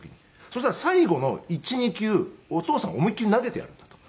そしたら最後の１２球お父さんが思い切り投げてやるんだと。